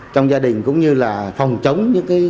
trong gia đình cũng như là phòng chống